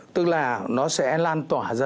tức là nó sẽ lan tỏa ra